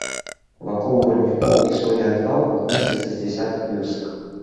Вакол руднікоў і солеадвалаў месціцца з дзясятак вёсак.